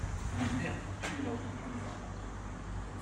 Les mères pour tuer leurs enfants dans leurs ventres.